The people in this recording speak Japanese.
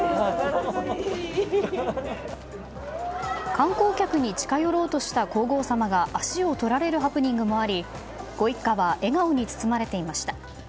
観光客に近寄ろうとした皇后さまが足をとられるハプニングもありご一家は笑顔に包まれていました。